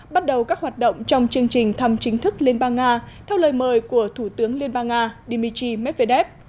bắt đầu các hoạt động trong chương trình thăm chính thức liên bang nga theo lời mời của thủ tướng liên bang nga dmitry medvedev